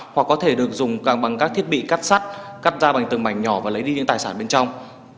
hoặc có thể được dùng bằng các thiết bị cắt sắt cắt ra bằng từng mảnh nhỏ và lấy đi những tài sản bên trong